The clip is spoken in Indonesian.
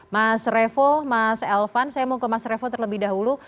mas revo mas elvan saya mau ke mas revo terlebih dahulu